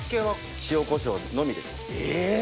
え！